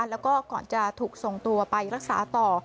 แล้วก็ก่อนจะถูกส่งตัวไปรักษาต่อ